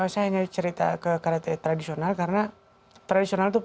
saya ingin cerita karate tradisional karena